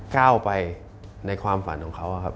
ก้าวไปในความฝันของเขาครับ